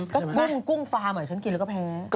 ก็กุ้งฟาร์มฉันกินแล้วก็แพ้